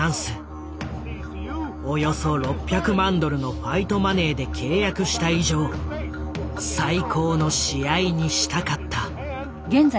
およそ６００万ドルのファイトマネーで契約した以上最高の試合にしたかった。